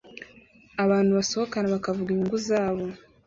Abantu basohokana bakavuga inyungu zabo